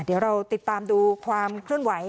เดี๋ยวเราติดตามดูความเคลื่อนไหว